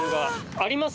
あります？